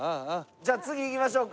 じゃあ次行きましょうか。